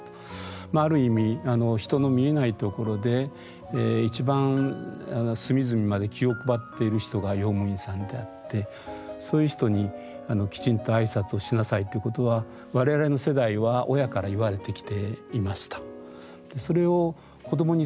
まあある意味人の見えないところで一番隅々まで気を配っている人が用務員さんであってそういう人にきちんと挨拶をしなさいということは我々の世代は親から言われてきていました。